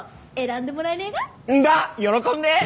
んだ喜んで！